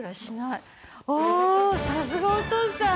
おさすがお父さん！